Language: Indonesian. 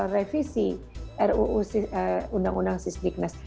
revisi ruu undang undang sisdiknas